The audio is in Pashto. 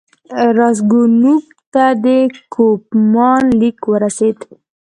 راسګونوف ته د کوفمان لیک ورسېد.